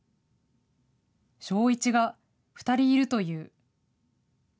昭一が２人いると言う。